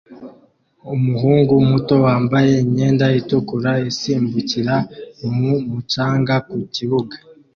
umuhungu muto wambaye imyenda itukura isimbukira mu mucanga ku kibuga